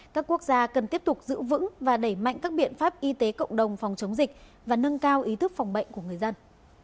các quốc gia cần tiếp tục giữ vững và đẩy mạnh các biện pháp y tế cộng đồng phòng chống dịch và nâng cao ý thức phòng bệnh của người dân